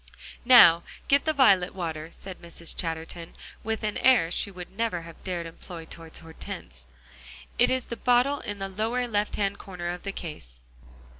"Now get the violet water," said Mrs. Chatterton, with an air she would never have dared employ towards Hortense; "it is the bottle in the lower left hand corner of the case."